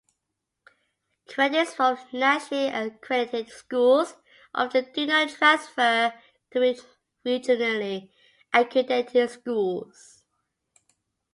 Credits from nationally accredited schools often do not transfer to regionally accredited schools.